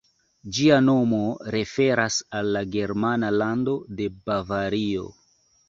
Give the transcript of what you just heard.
Ĝia nomo referas al la germana lando de Bavario.